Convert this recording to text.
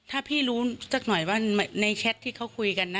ถ้าพี่รู้สักหน่อยว่าในแชทที่เขาคุยกันนะ